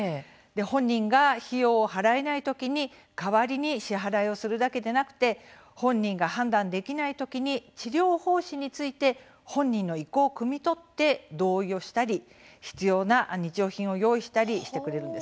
本人が費用を払えない時に代わりに支払いをするだけではなく本人が判断できない時に治療方針について本人の意向をくみ取って同意をしたり必要な日用品を用意したりしてくれるんです。